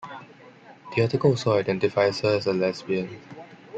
The article also identifies her as a lesbian.